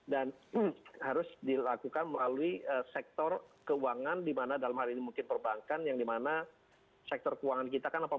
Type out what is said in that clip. dan harus dilakukan melalui sektor keuangan di mana dalam hal ini mungkin perbankan yang di mana sektor keuangan kita kan apapun